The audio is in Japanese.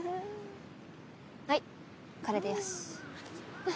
はいこれでよし。